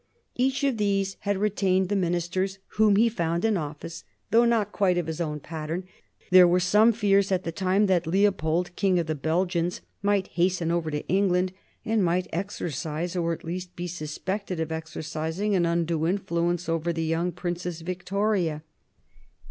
Each of these had retained the ministers whom he found in office, although not quite of his own pattern. There were some fears, at the time, that Leopold, King of the Belgians, might hasten over to England, and might exercise, or at least be suspected of exercising, an undue influence over the young Princess Victoria.